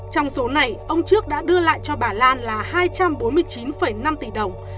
trong số này ông trước đã đưa lại cho bà lan là hai trăm bốn mươi chín năm tỷ đồng